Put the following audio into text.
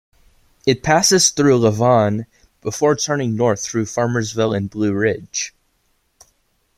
It passes through Lavon before turning north through Farmersville and Blue Ridge.